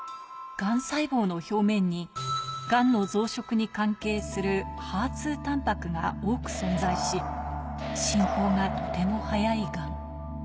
がん細胞の表面に、がんの増殖に関する、ＨＥＲ２タンパクが多く存在し、進行がとても早いがん。